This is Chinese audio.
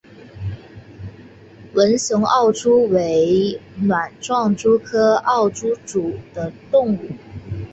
纹胸奥蛛为卵形蛛科奥蛛属的动物。